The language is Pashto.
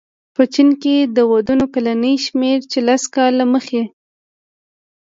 په چین کې د ودونو کلنی شمېر چې لس کاله مخې